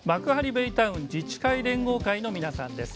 ベイタウン自治会連合会の皆さんです。